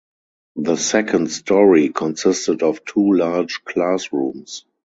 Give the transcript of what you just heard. The second storey consisted of two large classrooms.